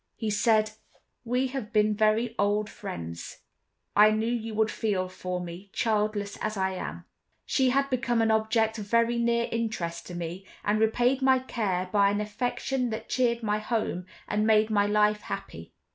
He said: "We have been very old friends; I knew you would feel for me, childless as I am. She had become an object of very near interest to me, and repaid my care by an affection that cheered my home and made my life happy.